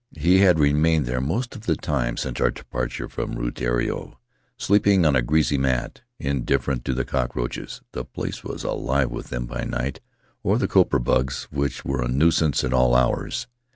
He had remained there most of the time since our departure from Rutiaro, sleeping on a greasy mat, indifferent to the cockroaches — the place was alive with them by night — or the copra bugs, which were a nuisance at all hours.